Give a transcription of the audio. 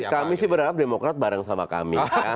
kami sih berharap demokrat bareng sama kami